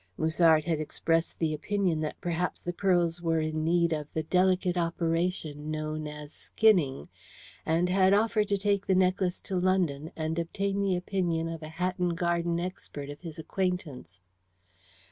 Musard had expressed the opinion that perhaps the pearls were in need of the delicate operation known as "skinning," and had offered to take the necklace to London and obtain the opinion of a Hatton Garden expert of his acquaintance.